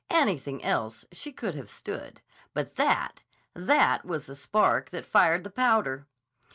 Anything else she could have stood. But that—that was the spark that fired the powder.